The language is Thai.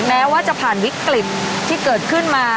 แม้ว่าจะผ่านวิกฤตที่เกิดขึ้นมา